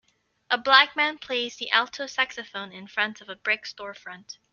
A black man plays the alto saxophone in front of a brick storefront.